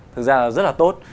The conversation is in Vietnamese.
thực ra là rất là tốt